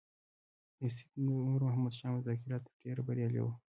د سید نور محمد شاه مذاکرات تر ډېره بریالي وو.